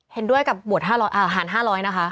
เห็นด้วยกับบวชหาร๕๐๐นะคะ